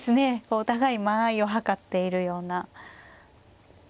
お互い間合いをはかっているような。